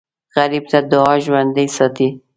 غریب ته دعا ژوندي ساتي